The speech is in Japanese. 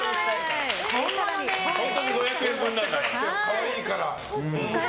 本当に５００円分だから。